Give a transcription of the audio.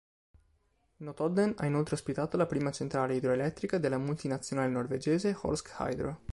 Notodden ha inoltre ospitato la prima centrale idroelettrica della multinazionale norvegese Norsk Hydro.